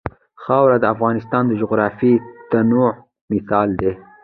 خاوره د افغانستان د جغرافیوي تنوع مثال دی.